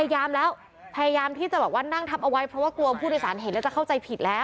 พยายามแล้วพยายามที่จะบอกว่านั่งทับเอาไว้เพราะว่ากลัวผู้โดยสารเห็นแล้วจะเข้าใจผิดแล้ว